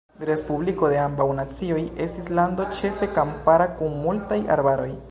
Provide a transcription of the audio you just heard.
Respubliko de Ambaŭ Nacioj estis lando ĉefe kampara kun multaj arbaroj.